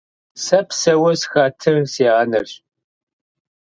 Сэ псэуэ схэтыр си анэрщ.